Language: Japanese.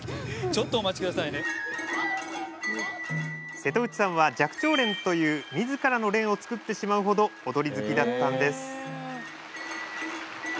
瀬戸内さんは「寂聴連」という自らの連を作ってしまうほど踊り好きだったんです。